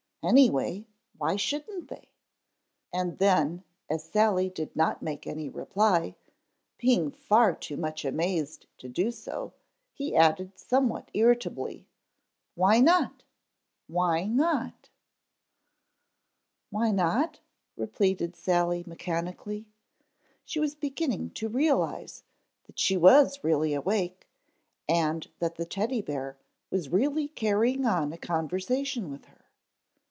Anyway why shouldn't they?" and then as Sally did not make any reply, being far too much amazed to do so, he added somewhat irritably, "Why not? Why not?" "Why not?" repeated Sally mechanically. She was beginning to realize that she was really awake and that the Teddy bear was really carrying on a conversation with her.